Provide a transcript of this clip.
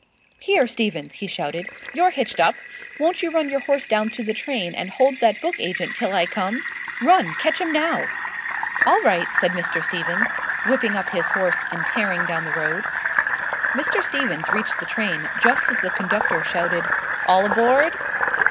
"Here, Stevens!" he shouted, "you're hitched up! Won't you run your horse down to the train and hold that book agent till I come? Run! Catch 'im now!" "All right," said Mr. Stevens, whipping up his horse and tearing down the road. Mr. Stevens reached the train just as the conductor shouted, "All aboard!"